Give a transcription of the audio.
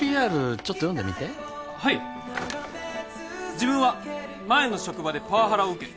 ちょっと読んでみてはい「自分は前の職場でパワハラを受け」